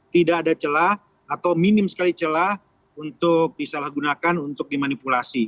tidak ada celah atau minim sekali celah untuk disalahgunakan untuk dimanipulasi